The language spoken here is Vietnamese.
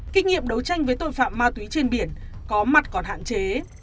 kinh nghiệm đấu tranh với tội phạm ma túy trên biển có mặt còn hạn chế